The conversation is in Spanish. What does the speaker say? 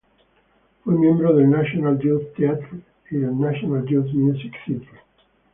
Fue miembro del National Youth Theatre y el National Youth Music Theatre.